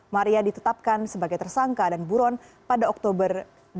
maria ditetapkan sebagai tersangka dan buron pada oktober dua ribu